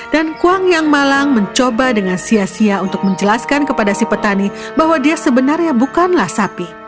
dan kuang yang malang mencoba dengan sia sia untuk menjelaskan kepada si petani bahwa dia sebenarnya bukanlah sapi